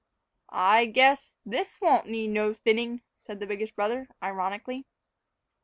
"I guess this won't need no thinning," said the biggest brother, ironically.